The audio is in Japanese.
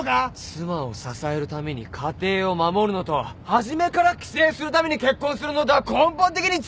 妻を支えるために家庭を守るのと初めから寄生するために結婚するのとは根本的に違うだろ。